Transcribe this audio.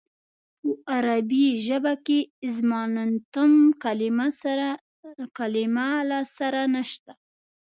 په عربي ژبه کې اظماننتم کلمه له سره نشته.